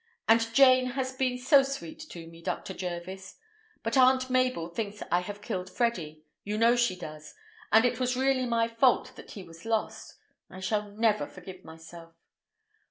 And Jane has been so sweet to me, Dr. Jervis; but Aunt Mabel thinks I have killed Freddy—you know she does—and it was really my fault that he was lost. I shall never forgive myself!"